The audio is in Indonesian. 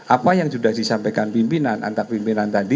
apa yang sudah disampaikan pimpinan